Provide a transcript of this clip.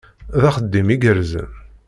D axeddim igerrzen!